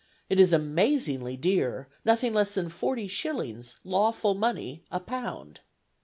It is amazingly dear; nothing less than forty shillings, lawful money, a pound."